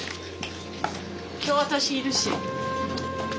今日私いるし。